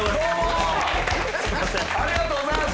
ありがとうございます。